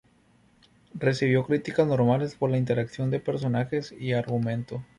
Recibió críticas normales por la interacción de personajes y argumento.